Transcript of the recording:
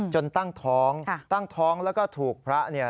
ตั้งท้องตั้งท้องแล้วก็ถูกพระเนี่ย